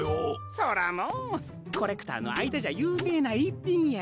そらもうコレクターのあいだじゃゆうめいないっぴんや。